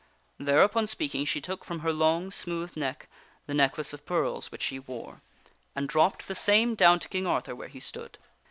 Thereupon speaking, she took from her long, smooth neck the necklace of pearls which she wore, and dropped the same down to King Arthur where he stood.